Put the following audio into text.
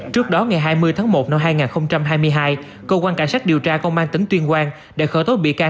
trước đó ngày hai mươi tháng một năm hai nghìn hai mươi hai công an cảnh sát điều tra công an tỉnh tuyên quang đã khởi tốt bị can